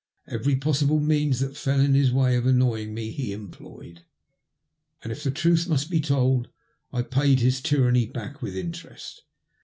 Every possible means that fell in his way of annoying me he employed ; and, if the truth must be told, I paid his tyranny back with interest.